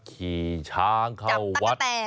ขี่ช้างเข้าวัด